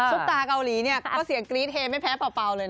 ตาเกาหลีเนี่ยก็เสียงกรี๊ดเฮไม่แพ้เป่าเลยนะ